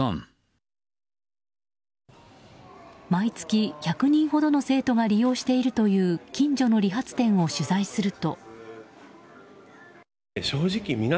毎月１００人ほどの生徒が利用しているという近所の理髪店を取材すると。